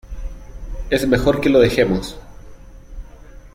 es mejor que lo dejemos,